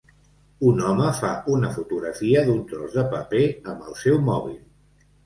Un home fa una fotografia d'un tros de paper amb el seu mòbil.